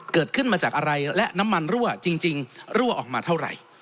เกิดขึ้นมาจากอะไรและน้ำมันรั่วจริงรั่วออกมาเท่าไหร่